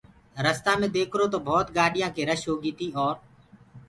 رستآ مي ديکرو تو ڀوتَ گآڏيآنٚ ڪي رش هوگيٚ تيٚ اور